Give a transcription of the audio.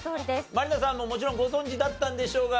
満里奈さんももちろんご存じだったんでしょうが。